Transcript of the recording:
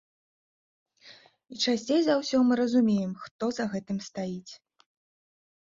І часцей за ўсё мы разумеем, хто за гэтым стаіць.